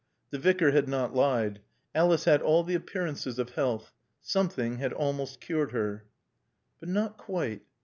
The Vicar had not lied. Alice had all the appearances of health. Something had almost cured her. But not quite.